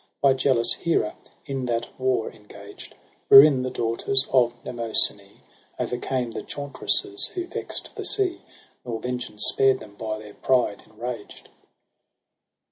By jealous Hera in that war engaged : Wherein the daughters of Mnemosyn^ O'ercame the chauntresses who vex'd the sea. Nor vengeance spared them by their pride enraged.